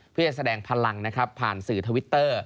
เพื่อแสดงพลังนะครับผ่านสื่อทวิตเตอร์